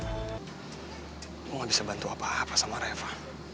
kamu gak bisa bantu apa apa sama reva